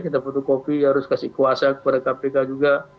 kita butuh kopi harus kasih kuasa kepada kpk juga